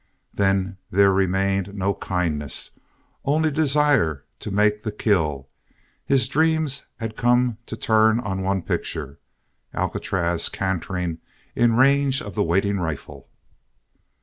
Then there remained no kindness, only desire to make the kill. His dreams had come to turn on one picture Alcatraz cantering in range of the waiting rifle!